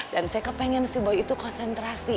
dan saya kepengen si boy itu konsentrasi